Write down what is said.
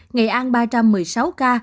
nghệ an ba trăm một mươi sáu ca